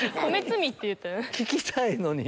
聞きたいのに。